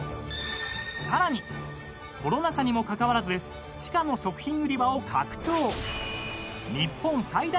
［さらにコロナ禍にもかかわらず地下の食品売り場を拡張］